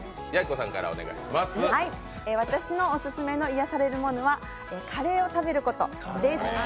私のオススメの癒やされるものはカレーを食べることです。